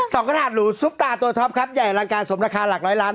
กระดาษหรูซุปตาตัวท็อปครับใหญ่อลังการสมราคาหลักร้อยล้าน